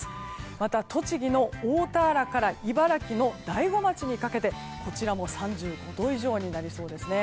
また、栃木の大田原から茨城の大子町にかけてこちらも３５度以上になりそうです。